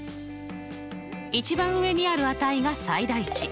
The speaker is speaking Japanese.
一番上にある値が最大値。